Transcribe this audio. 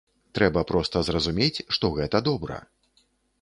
Трэба проста зразумець, што гэта добра.